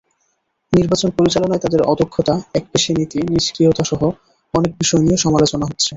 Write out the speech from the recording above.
নির্বাচন পরিচালনায় তাদের অদক্ষতা, একপেশে নীতি, নিষ্ক্রিয়তাসহ অনেক বিষয় নিয়ে সমালোচনা হচ্ছে।